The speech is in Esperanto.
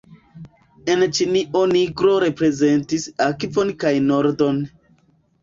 En Ĉinio nigro reprezentis akvon kaj nordon.